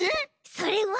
それは。